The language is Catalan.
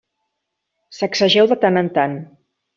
Sacsegeu de tant en tant.